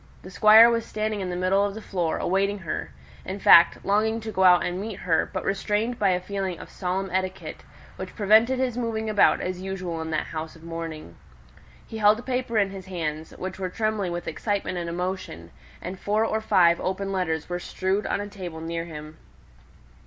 The Squire was standing in the middle of the floor awaiting her in fact, longing to go out and meet her, but restrained by a feeling of solemn etiquette, which prevented his moving about as usual in that house of mourning. He held a paper in his hands, which were trembling with excitement and emotion; and four or five open letters were strewed on a table near him.